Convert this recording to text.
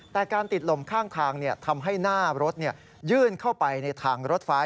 แต่การติดลมข้างทางทำให้หน้ารถยื่นเข้าไปในทางรถไฟ